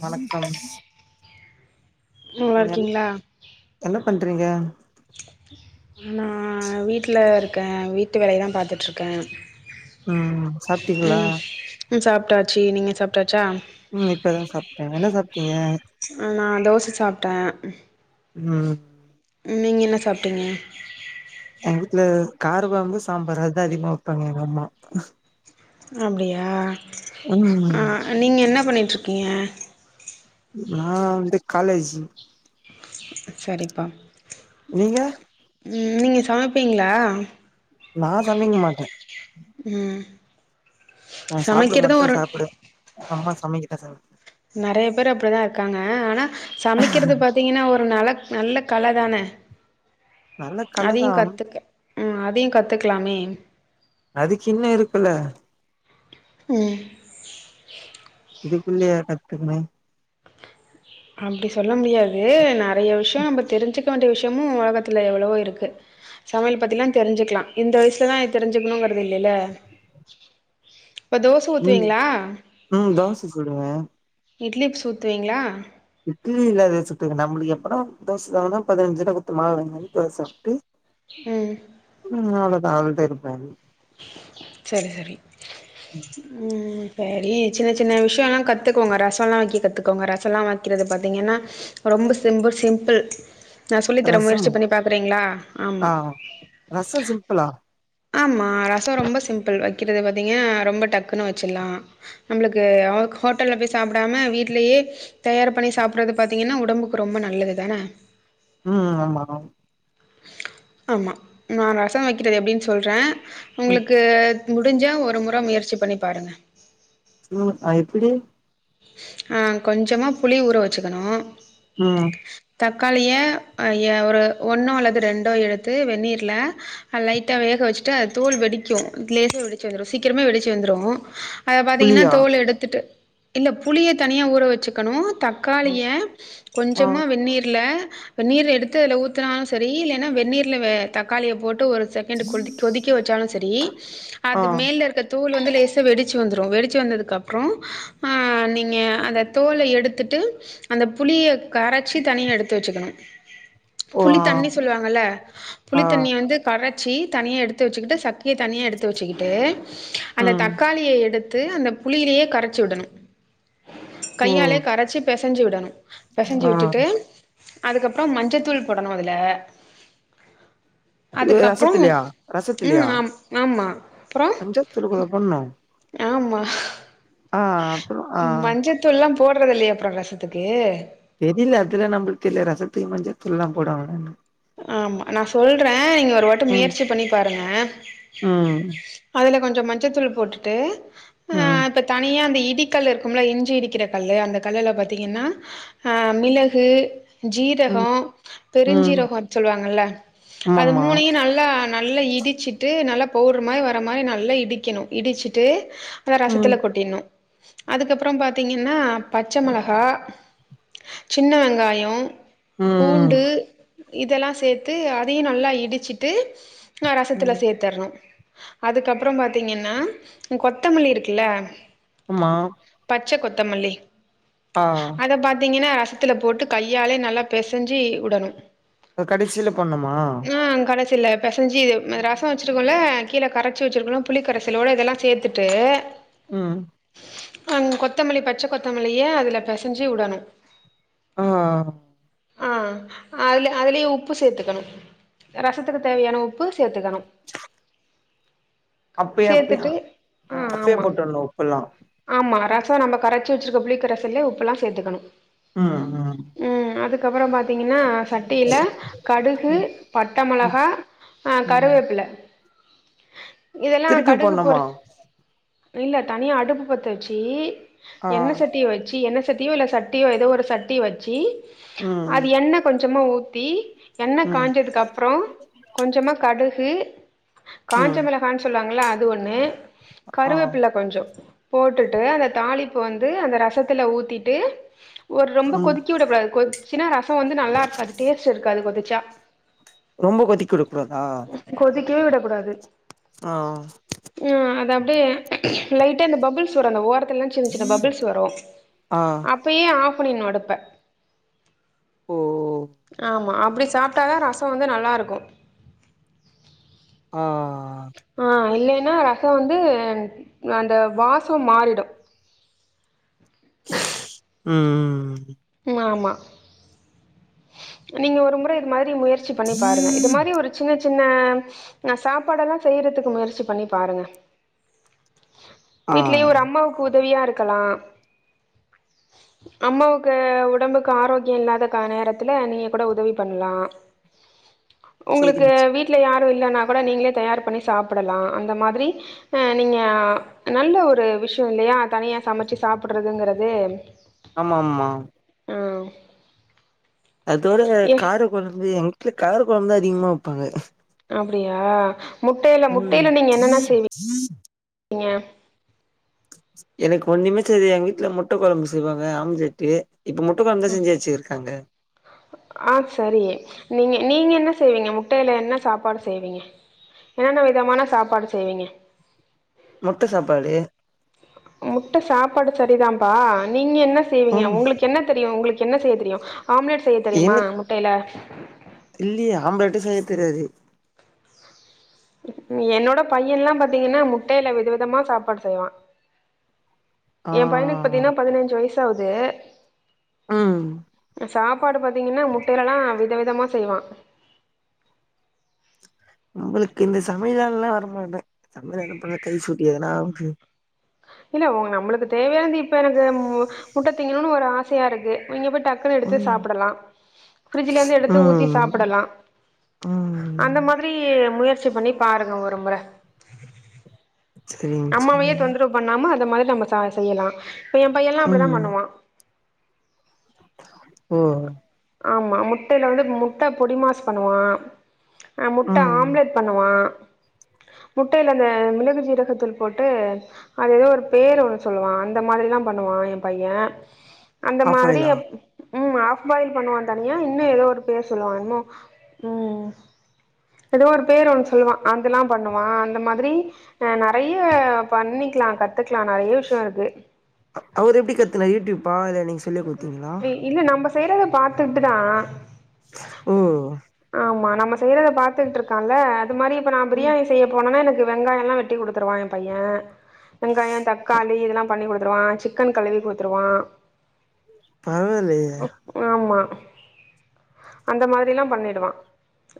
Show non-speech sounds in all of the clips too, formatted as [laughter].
வணக்கம் நல்லாருக்கிங்ளா றிங்க நா வீட்ல இருக்கே வீட்டு வேலையதா பாத்துட்டுருக்கே உம் ம் சாப்ட்டிங்ளா சாப்ட்டாச்சு நீங்க சாப்ட்டாச் உம் இப்பதா சாப்ட்டே என்ன சாப்ட்டீங்க தோச சாப்ட்டே உம் நீங்கள் என்ன சாப்ட்டீங்க எங்க வீட்டுல காரக்கொழம்பு சாம்பாரு அதா அதிகமா வைப்பாங்க எங்க அம்மா அப்டியா ஆ ம் நீங்க என்னப் பண்ணிட்டு இருக்கீங்க நா வந்து காலேஜ் செரிப்பா நீங்க உம் நீங்க சமைப்பீங்களா நா சமைக்க மாட்டே உம் நா சாப்ட மட்டும்தா சாப்டுவே அம்மா சமைக்கி தெசங் ஆ ஆனா சமைக்கிறது பாத்தீங்கன்னா ஒரு நல நல்ல கல தானே நல்ல கலதா அதையும் கற்றுக்க ம் அதையு கத்துக்கலாமே அதுக்கு இன்னு இருக்குல்ல உம் அதுக்குல்லையா கத்துக்கனு அப்டி சொல்ல முடியாது நா நெறய விஷயோ நம்ம தெரிஞ்சுக் வேண்டிய விஷயமு ஒலகத்துல எவ்வளவோ இருக்கு சமையல் பத்தில்லா தெரிஞ்சுக்கலா இந்த வயசுலதா தெரிஞ்சுக்கணுங்கறிறது இல்லேல உம் உம் தோச சுடுவே இட்லிப் சூத்துவீங்களா இட்லி இல்ல அது சுத்துக்க நம்மளுக்கு எப்பலா தோச வேணுன்னா பதினஞ்சு ரூவா குடுத்து மாவு வாங்கியாந்து தோச சாப்ட்டு உம் நா அதுட்ட இருப்பே செரி சரி உம் ம் சேரி சின்ன சின்ன விஷயோல்லா கத்துக்கோங்க ரசோல்லா வக்க கத்துக்கோங்க ரசோல்லா வைக்கிறது பாத்தீங்கன்னா ரொம்ப சிம்புள் சிம்பிள் நா சொல்லித்தரே ரசமா முயற்சி பண்ணி பாக்குறீங்களா ஆ ஆமா ரசோ சிம்பிளா ஆமா ரசம் ரொம்ப சிம்பிள் வைக்கிறது பாத்தீங்கன்னா ரொம்ப டக்குன்னு வச்சிடலாம் நம்மளுக்கு ஹோட்டல்ல போய் சாப்பிடாம வீடலேயே தயார் பண்ணி சாப்பிடுறது பாத்தீங்கன்னா உடம்புக்கு ரொம்ப நல்லது தானே உம் ஆமா ஆமா ஆமா நான் ரசம் வைக்கிறது எப்படின்னு சொல்றேன் ம் உங்களுக்கு முடிஞ்சா ஒரு முறை முயற்சி பண்ணி பாருங்க உஹம் எப்படி அஹ் கொஞ்சமா புளி ஊற வச்சுக்கணும் உம் தக்காளிய ஒரு ஒன்னோ அல்லது ரெண்டோ எடுத்து வெந்நீர்ல லைட்டாக வேக வச்சுட்டு அது தோள் வெடிக்கு லேசே வெடிச்சு வந்துடும் சீக்கிரம வெடிச்சி வந்துடும் அதை பாத்தீங்கன்னா புளியா தோல் எடுத்துட்டு இல்ல புளியை தனியாக ஊற வச்சுக்கணும் தக்காளிய ஆ கொஞ்சமாக வெந்நீரில நீர் எடுத்து அதுல ஊத்துனாலும் சரி இல்லனா வெந்நீர்ல தக்காளிய போட்டு ஒரு செகண்ட் கொதி கொதிக்கி வச்சாலும் சரி ஆ அது மேல இருக்க தோள் வந்து லேசா வெடிச்சு வந்துரும் வெடிச்சு வந்ததுக்கு அப்புறம் நீங்க அந்த தோலை எடுத்துட்டு அந்த புளியை கரைச்சி தனியா எடுத்து வச்சுக்கணும் ஓ புளி ஆ தண்ணி சொல்லுவாங்கல்ல ஆ புளித்தண்ணி வந்து கரை ச்சி தனியாக எடுத்து வச்சக்கிட்டு சக்கையை தனியாக எடுத்து வச்சுக்கிட்டு அந்த ம் தக்காளிய எடுத்து அந்த புளியிலேயே கரைச்சி விடணும் ஓ கையாலே கரைச்சி பெச செஞ்சுவிடணும் பெசஞ்சு ஆ விட்டுட்டு அதுக்கப்பறம் மஞ்சத்தூள் போடணும் அதுல அதுக்கப்பறம் ரசத்துலயா ம் ஆம் ஆமா அப்புறோ மஞ்சாத்தூள் குடவா போடணும் ஆமா ஆஹ் அப்புறம் ஆஹ் போடுறதுல்லயா அப்பறம் ரசத்துக்கு தெரியல அதுலாம் நம்பமளுக்கு தெரிய ரசத்துக்கு மஞ்தூள்ளாம் போடுவாங்களனு ஆமா நான் சொல்றேன் அ நீங்க ஒரு வாட்ட ம் முயற்சி பண்ணி பாருங்க ம் இதுல கொஞ்சோ மஞ்சத்தூள் போட்டுட்டு கொ ம் ஆஹ் இப்ப தனியா இடி கல் இருக்கும்ல இஞ்சி இடிக்கிற கல்லு அந்த கல்லுல பாார்த்தீங்கன்னா அஹ் மிளகு ம் ஜீரகம் ம் பெருஞ்சீரகம் அ ங்கல்ல அது ஆமாமா மூணையும் நல்லா நல்லா இடிச்சுட்டு நல்ல நல்லா பவுடுர் மாரி வர மாரி நல்லா இடிக்கணு இடிச்சிட்டு அத ம் ரசத்துல கொட்டிர்ண்ணு அதுக்கப்புறோ பாத்தீங்ன்னா பச்சை மொளகா சின்ன வெங்காயே ம் பூண்டு இதெல்லா சேத்து அதையு நல்லா இடிச்சுட்டு ஆ ரசத்துல ம் சேத்தரணு அதுக்கப்பறோ பாத்தீங்ன்னா கொத்தமல்லி இருக்குல்ல ஆமா பச்ச கொத்தமல்லி ஆ அத பாத்தீங்ன்னா ரசத்துல போட்டு கையாலே நல்லா பெசைஞ்சி உடணு அ கடைசியில போடணுமா இல்ல பெசஞ்சு இது ரசோ வெச்சுருக்கோல கீழே கரைச்சி வெச்சுருக்கோல்ல புளி கரைசலோட இதெல்லா சேத்துட்டு ம் அ கொத்தமல்லி பச்ச கொத்தமல்லிய அதுல பெசைஞ்சி உடணு அ அ ஆ அதுல அதுலேயே உப்பு சேத்துக்கணு ரசத்துக்கு தேவையான உப்பு சேத்துக்கணு அப்பே அப்ப சேத்துட்டு ஆ அப்பயே போட்டரணு உப்பெல்லா ப்ரோ நம்ம கரைச்சு வெச்சிருக்க புளிக்கரைசல்லே உப்புலா சேத்துகணு ம் ம் ம் அதுக்கப்பறோ பாத்தீங்ன்னா சட்ட ப்பிலை கடுகு பட்டமொளகா ம் கருவேப்பில இதெல்லா திருப்பி கடுகு போறி போட்ணுமா இல்ல தனியா அடுப்பு பத்த வெச்சீ ஆ என்ன சட்டிய வச்சீ என்ன சட்டீயோ இல்ல சட்டியோ ஏதோ ஒரு சட்டிய வச்சீ ம் அது எண்ண கொஞ்சமா ஊத்தி எண்ணெய் ம் காஞ்சதுக்கு அப்றோ கொஞ்சமா கடுகு ம் காஞ்சமிளகான்னு சொல்லுவாங்கள அது ஒண்ணு ஆ கருவேப்புள்ள கொஞ்சோ போட்டுட்டு அந்த தாளிப்பு வந்து அந்த ரசத்துல ஊத்திட்டு ஒரு ரொம்ப ம் கொதிக்க விடக்கூடாது கொதி சின்ன ரசம் வந்து நான் டேஸ்ட் இருக்காது கொதிச்சா ரொம்ப கொதிக்க விடக் கூடாதா கொதி க்கவே விடக் கூடாது ஆ அப்டியே லைட்டா அந்த பப்புள்ஸ்வர அந்த ஓர த்துல எல்லாம் சின்ன சின்ன பபிள்ஸ் வரும் ஆ அப்பயே ஆஃப் ஆஃப்பன்னினு அடுப்ப ஓ ஆமா அப்டி சாப்ட்டா தான் ரசோ வந்து நல்லாருக்கும் ஆஹ ஆ இல்லைன் னா ரசம் வந்து அந்த வாசம் மாறிடும் ஊஸ் உம் உம் ம் ஆமா நீங்க ஒரு முறை இது மாதிரி முயற்ச் சி பண்ணி பாருங்க இது மாரி ஒரு சின்ன சின் சின்ன ஹ சாப்பாடெல்லாம் செய்யறதுக்கு முயற்சி பண்ணி பாருங்க ஆ வீட்லயே ஒரு அம்மாவுக்கு உதவியா இருக்கலாம் அம்மாவுக்கு உடம்புக்கு ஆரோக்கியம் இல்லாத கா நேரத் த்துல நீங்க கூட உதவி பண்லாம். உங்களுக்கு செரிங் சே வீட்ல யார் கூட இல்லைன்னா கூட நீங்களே தயார் பண்ணி சாப்பிடலாம் அந்த மாதிரி ஹ நீங்க நல்ல ஒரு விஷயம் இல்லையா தனியா சமைச்சு சாப்பிடுறதுங்குறது ஆமா ஆமா உம் அதோட கார கொழம்பு எங்க வீட்ல கார குழம்பு தான் அதிகமா வைப்பாங்க அப்படியா முட்டையில முட்டையில நீங்க என்னென்ன செய்வீங் ம் விங்க எனக்கு ஒண்ணுமே தெரியாது எங்க வீட்டுல முட்ட கொழம்பு செய்வாங்க அம்லெட்டு இப்ப முட்டக்கொழம்புதா செஞ்சு வச்சுருக்காங்க ஆஹ் சரி நீங்க நீங்க என்ன செய்வீங்க முட்டையில என்ன சாப்பாடு செய்வீங்க என்னென்ன விதமான சாப்பாடு செய்வீங்க முட்ட சாப்பாடு முட்டை சாப்பாடு சரிதான்ம்பா நீ நீங்க என்ன செய்வீங்க ம் உங்களுக்கு என்ன தெரியும் உங்களுக்கு என்ன செய்ய தெரியும் ஆம்லெட் செய்ய தெரியுமா முட்டையில தில்லியே ஆம்பலெட்டு செய்ய தெரியாது என்னோட பையன்ல்லாம் பாத்தீங்கன்னா முட்டையில விதவிதமா சாப்பாடு செய்வான் ஆ என் பையனுக்கு பத்தீங்கன்னா பதினைஞ்சு வயசு எட்டாவுது ம் சாப்பாடு பாத்தீங்கன்னா முட்டையிலலா விதவிதமா செய்வா நம்முளுக்கு இந்த சமையலாண்டலா வரமாட்ட சமையலாண்ட பண்ண கை சூட்டி எதனா ஆவுண்ட்டு இல்ல உங்க நம்மளுக்கு தேவையான இருந்து இப்ப எனக்கு முட்டை தீங்கணும்னு ஒரு ஆசையா இருக்கு நீங்க போய்ட் டக்குன்ன எடுத்து ம் சாப்பிடலா பிரஜ்ல இருந்து எடுத்து ஊத்தி ம் சாப்பிடலாம் ம் அந்த மாதிரி முயற்சி பண்ணி பாருங்க ஒரு முறை சரிங்க அம்மாவையே சரிங்க தொந்தரவு பண்ணாம இந்தந்த மாதிரி நம்ம ச செய்யலாம் இப்ப என் பையன் எல்லாம் அப்படிதான் பண்ணுவான் ம் ஆமா முட்டையில வந்து முட்டை பொடிமாசு பண்ணுவான் ஆஹ் முட்டை ம் ஆம்லேட் பண்ணுவான் முட்டையில அந்த மிளகு ஜீரகத்தூள் போட்டு அது ஏதோ ஒரு பேர் ஒண்ணு சொல்லுவான் அந்த மாதிரி எல்லாம் பண்ணுவான் என் பையன் அந்த ஆஃப் மாதிரி ஆயிலா உம் ஆஃப்பாய பண்ணுவான் தனியா இன்னும் ஏதோ ஒரு பேர் சொல்லுவமோ உ ஏதோ ஒரு பேர் ஒன்னு சொல்லுவான் அதெல்லாம் பண்ணுவான் அந்த மாதிரி நறைய பண்ணிக்கலாம் கத்துக்கலாம் நிறைய விஷயம் இருக்கு அவரு எப்டி கத்துனாரு யூடியூப்பா இல்ல நீங்க சொல்லி குடுத்தீங்களா? இல்ல நம்ப செய்றதை பாத்துட்டுதா ஓ ஆமா நம்ம செய்யறத பாத்துட்டு இருக்கால அ மாதிரி இப்ப நான் ம் பிரியாணி செய்ய போன எனக்கு க்கு வெங்காயம் எல்லாம் வெட்டி குடுத்துருவாயன் பையன் வெங்காயம் தக்காளி இதெல்லாம் பண்ணிகுடு த்துருவான் சிக்கன் கழுவி குடுத்துருவான் பரவாயில்லையே ஆமா அந்த மாரில்லா பண்ணிடுவா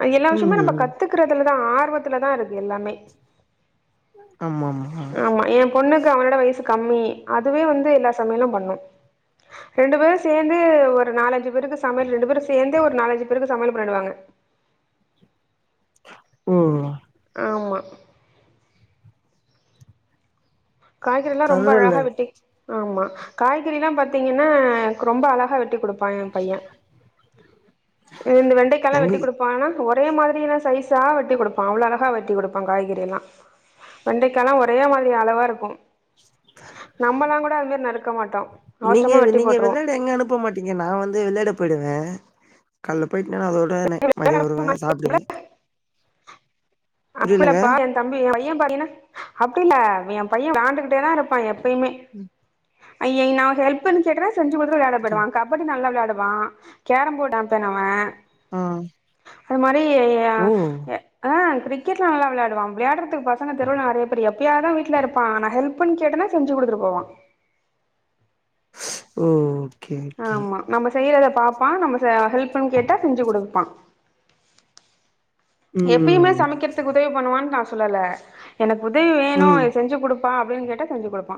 து எல்லா விஷயமே நம்ம ம் கத்துக்குறதுல அதா ஆர்வத்துலதா இருக்கு எல்லாமே ஆமாம்மா ஆமா எ பொண்ணுக்கு அவனோட வயசு கம்மி அதுவே வந்து எல்லா சமையலு பண்ணோ ரெண்டு பேரு சேந்து ஒரு நாலஞ்சு பேருக்கு சமயல் ரெண்டு பேரும் சேர்ந்தே ஒரு நாலஞ்சு பேருக்கு சமையல் பண்ணிடுவாங்க ம் ஆமா காய்கறிலா ரொம்ப பரவால்ல அழகா வெட்டி ஆமா காய்கறிலா பாத்தீங்கனா எனக்கு ரொம்ப அழகா வெட்டி குடுப் பா எ பைய இந்த வெண்டைக்காலா எங்க வெட்டிக்குடுப்பானா ஒரே மாதிரியான சைசா வெட்டி குடுப்பா அவ்ளோ அழகா வெட்டி குடுப்பா காய்கறியெல்லா வெண்டக்காய்லா ஒரே மாதிரி அளவா இருக் ஆஹ் நறுக்க மாட்டோ நீங்க அவசரமா வெட்டி நீங்க போட்ருவோ வெளாட எங்க அனுப்ப மாட்டீங்க நா வந்து வெளாட போய்டுவே கால்ல போயிட்னனா அதோட நை‌ மதிய வருவ சாப்டுவே புரியலங்க அப்புல்லப்பா எ தம்பி எ பைய பாடினா அப்டில்ல எ பைய விளாண்டுகிட்டே தா இருப்பா எப் பேய்மே ஐயய் நா ஹெல்ப் பண்ணுஞ் சொல்றே செஞ்சி குடுத்துட்டு விளயாடப் புரிய போய்டுவா கபடி நல்லா விளாட் எட்றா கேரம் போர்ட் ஆம்பியன் அவ ஆ அது மாரி ஓ ஆஹ் ய உம் க்கீட்டுல நல்லா விளையாடுவான் விளையாடுறதுக்கு பசங்க தெருவுல நிறைய பேர் எப்பயாவதுதான் வீட்டுல இருப்பான் நான் ஹெல்ப்ண்ணு கேட்டனா செஞ்சு குடுத்துட்டு போவான் உம் ஆமா நம்ம செய்றத பாப் பா நம்மட்ட ஹெல்ப் னு கேட்டா செஞ்சு குடுப்பா எப்பயுமே ம் சமைக்கிறத்துக்கு உதவி பண்ணுவான் நா சொல்லல எனக் உதவி வேணு ம் ஏ செஞ்சு குடு ப்பா அப்டின் கேட்டா செஞ்சு குடுப்பா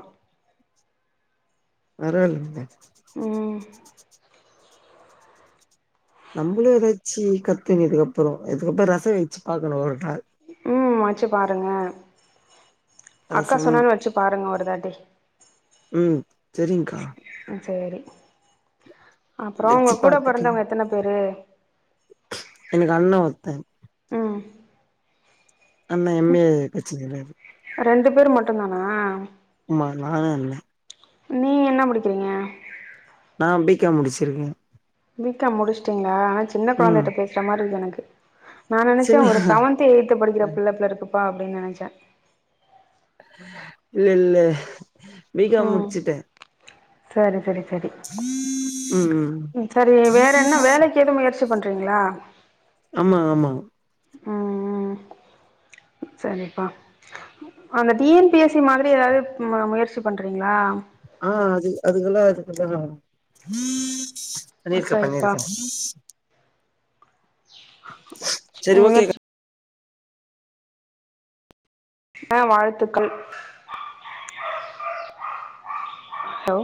வரவாலைங்க [inaudible] ம் நம்பளே எதாச்சு கத்துக்குனு அப்பற அதுக்கப்ற ரச வச்சு பாக்கணு ஒரு நாள் உம் வச்சு பாருங்க அக்கா சொன்னாங்க வச்சு பாருங்க ஒரு தேட்டர் உம் செரி்ங்க்கா செரி அப்றோ ஒங்க வெச்சு கூட பாத்துட்டு பொறந்தவ்ங்க எத்தன பேரு எனக்கு அண்ணெ ஒருத்த ம் அண்ணா எம் ஏ பச்சிகிறாரு ரெண்டு பேர் மட்டுந்தானா ஆமா நானு அண்ணே நீங் என்ன படிக்கிறீங்க நான் பீக்காம் முடிச்சிருக்கே பீக்காம் முடிஷ்ட்டீங்ளா சின்ன ம் கொழந்தட்ட பேசுற மாரிக் எனக் நா நெனைச்சே ஒரு சின்ன செவன்த் எய்த்து படிக்கிற பிள்ளைபோலருக்கு பா அப்டீன்னு நெனைச்சே இல்ல இல்ல பீகாம் ம் முட்ச்சுட்டே சரி சரி செரி ம் ம் செரி வேற என்ன வேலைக்கு எது முயற்சி பண்றீங்ளா ஆமா ஆமா ம் ம் சரிப்பா அந்த T N P S C மாதிரி எதாவது ம முயற்சி பண்றீங்ளா அ அ அது அதுக்கெல்லா அது கொஞ்சோ பண்ணிருக்கே சரிப்பா பண்ணிருக்கே செரி ஓகேக்கா முயற்சி அ வாழ்த்துக்கள் ஹலோ